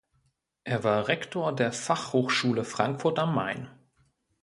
Er war Rektor der Fachhochschule Frankfurt am Main.